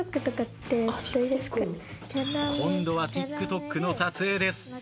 今度はＴｉｋＴｏｋの撮影です。